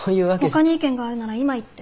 他に意見があるなら今言って。